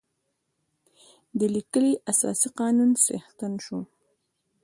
د لیکلي اساسي قانون څښتن شو.